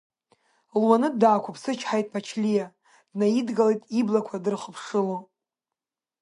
Луанытә даақәыԥсычҳан, Ԥачлиа днаидгылеит иблақәа дырхыԥшыло.